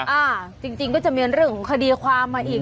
อ่าจริงก็จะมีเรื่องของคดีความมาอีก